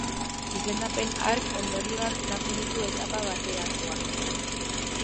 Izendapen hark ondorioak izango ditu etapa bateratuan.